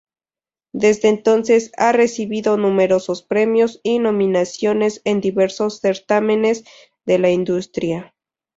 Desde entonces, ha recibido numerosos premios y nominaciones en diversos certámenes de la industria.